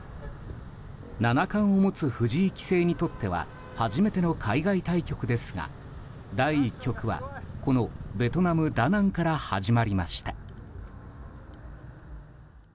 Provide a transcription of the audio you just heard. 七冠を持つ藤井棋聖にとっては初めての海外対局ですが第１局はこのベトナム・ダナンから始まりました。